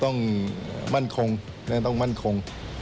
ต้องมั่นคงต้องมั่นคง